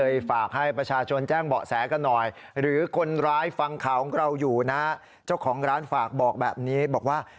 อยากจับคนร้ายมาให้ได้เร็ว